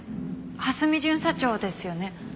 蓮見巡査長ですよね？